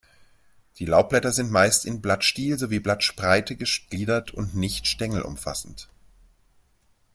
Die Laubblätter sind meist in Blattstiel sowie Blattspreite gegliedert und nicht stängelumfassend.